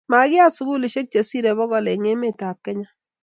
makiyat sukulisiek che sirei bokol eng' emetab Kenya